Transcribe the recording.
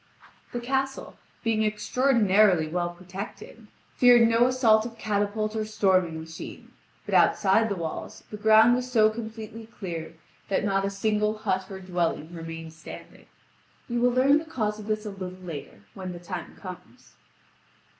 The castle, being extraordinarily well protected, feared no assault of catapult or storming machine; but outside the walls the ground was so completely cleared that not a single hut or dwelling remained standing. You will learn the cause of this a little later, when the time comes.